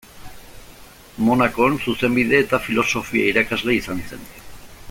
Monakon zuzenbide eta filosofia irakaslea izan zen.